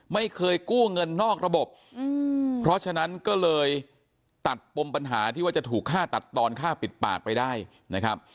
ไม่เคยกู้เงินนอกระบบเพราะฉะนั้นก็เลยตัดปมปัญหาที่ว่าจะถูกฆ่าตัดตอนฆ่าปิดปากไปได้นะครับ